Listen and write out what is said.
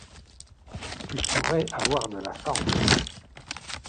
tu pourrais avoir de la chance.